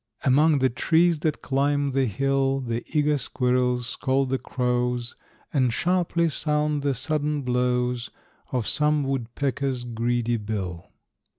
Among the trees that climb the hill The eager squirrels scold the crows, And sharply sound the sudden blows Of some woodpecker's greedy bill.